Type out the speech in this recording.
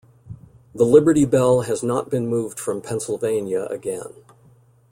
The Liberty Bell has not been moved from Pennsylvania again.